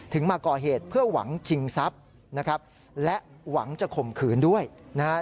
มาก่อเหตุเพื่อหวังชิงทรัพย์นะครับและหวังจะข่มขืนด้วยนะฮะ